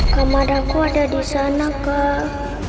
kamar aku ada di sana kak